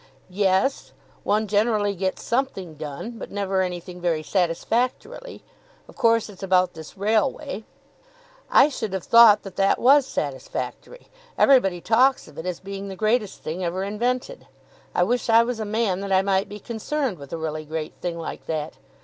"Yes; one generally gets something done, but never anything very satisfactorily. Of course it's about this railway." "I should have thought that that was satisfactory. Everybody talks of it as being the greatest thing ever invented. I wish I was a man that I might be concerned with a really great thing like that.